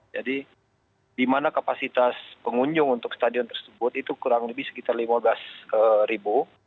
jadi di mana kapasitas pengunjung untuk stadion tersebut itu kurang lebih sekitar lima belas ribu